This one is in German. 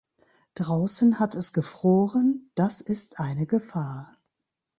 Draußen hat es gefroren das ist eine Gefahr.